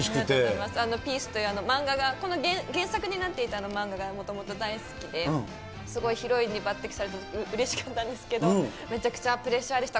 Ｐｉｅｃｅという漫画が、この原作になっていた漫画がもともと大好きで、すごいヒロインに抜てきされたとき、うれしかったんですけど、めちゃくちゃプレッシャーでした。